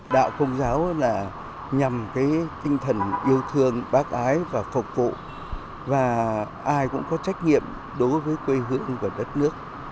đạo công giáo là nhằm cái tinh thần yêu thương bác ái và phục vụ và ai cũng có trách nhiệm đối với quê hương của đất nước